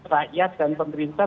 rakyat dan pemerintah